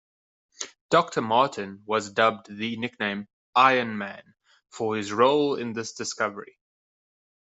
Dr.Martin was dubbed the nickname "Iron Man" for his role in this discovery.